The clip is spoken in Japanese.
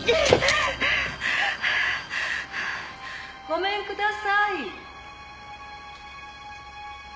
ごめんください。